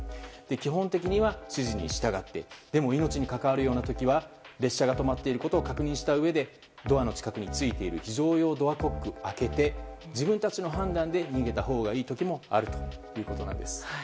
基本的には指示に従ってでも命に関わるような時は列車が止まっていることを確認してドアの近くについている非常用ドアコックを開けて自分たちの判断で逃げたほうがいいこともあるんです。